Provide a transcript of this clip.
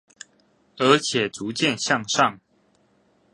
而且逐漸向上